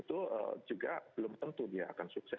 itu juga belum tentu dia akan sukses